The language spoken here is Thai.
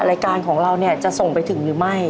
รายการของเราเนี่ยจะส่งไปถึงหรือไม่